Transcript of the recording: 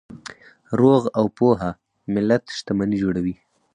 روغ او پوهه ملت شتمني جوړوي.